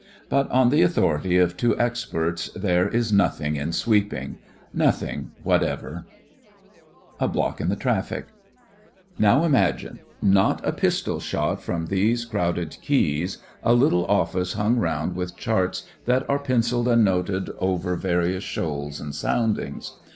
But on the author ity of two experts, there is nothing in sweeping. Nothing whatever! 28 THE FRINGES OF THE FLEET A BLOCK IN THE TRAFFIC Now imagine, not a pistol shot from these crowded quays, a little Office hung round with charts that are pencilled and noted over various shoals and soundings.